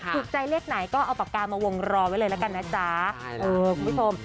ถูกใจเลขไหนก็เอาปากกามาวงรอไว้เลยละกันนะจ๊ะเออคุณผู้ชม